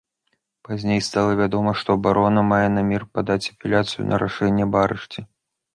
Пазней стала вядома, што абарона мае намер падаць апеляцыю на рашэнне аб арышце.